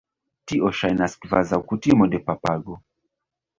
Tio ŝajnas kvazaŭ kutimo de papago.